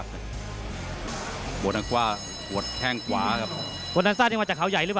บลอลนัลซ่านขวาบลอลนัลซ่านก็นั่งจากเขาใหญ่หรือกับ